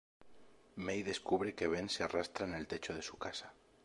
May descubre que Ben se arrastra en el techo de su casa.